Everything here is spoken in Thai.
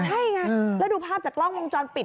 ใช่ไงแล้วดูภาพจากกล้องวงจรปิด